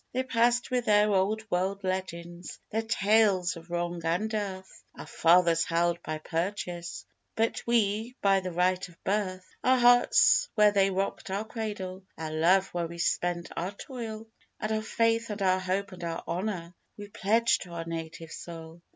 They passed with their old world legends Their tales of wrong and dearth Our fathers held by purchase, But we by the right of birth; Our heart's where they rocked our cradle, Our love where we spent our toil, And our faith and our hope and our honour We pledge to our native soil!